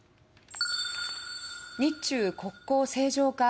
日中国交正常化